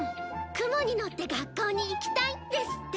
「雲に乗って学校に行きたい」ですって！